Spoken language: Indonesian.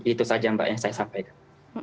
itu saja mbak yang saya sampaikan